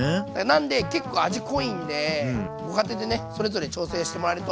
なんで結構味濃いんでご家庭でねそれぞれ調整してもらえるといいと思います。